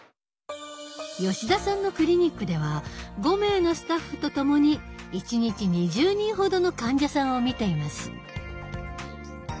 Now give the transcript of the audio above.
吉田さんのクリニックでは５名のスタッフとともに１日２０人ほどの患者さんを診ています。